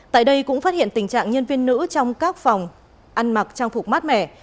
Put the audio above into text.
tại đây cũng phát hiện tình trạng nhân viên nữ trong các phòng ăn mặc trang phục mát mẻ